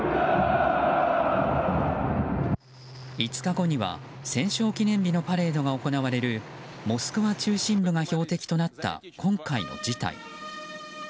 ５日後には、戦勝記念日のパレードが行われるモスクワ中心部が標的となった今回の事態。